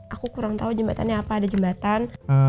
aku kurang tahu jembatannya apa ada jembatan